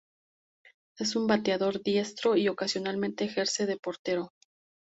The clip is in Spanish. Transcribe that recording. Es un bateador diestro, y ocasionalmente ejerce de portero.